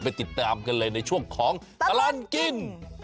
ติดตามกันเลยในช่วงของตลอดกิน